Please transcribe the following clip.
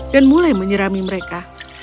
dan mulai menyerami mereka